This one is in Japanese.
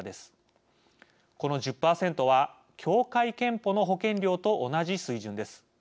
この１０％は協会けんぽの保険料と同じ水準です。